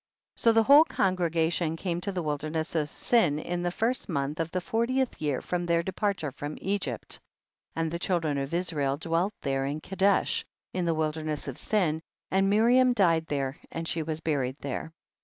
24. So the whole congregation came to the wilderness of Sin in the first month of the fortieth year from their departure from Egypt, and the children of Israel dwelt there in Kadesh, of the wilderness of Sin, and Miriam died there and she was buried there.